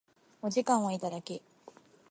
お時間をいただき